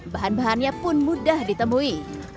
bahan bahannya pun mudah ditemui